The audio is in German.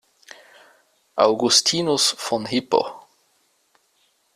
Augustinus von Hippo.